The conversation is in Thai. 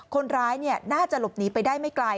คนร้ายน่าจะหลบหนีไปได้ไม่ไกล